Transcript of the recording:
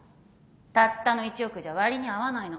たったの１億じゃ割に合わないの。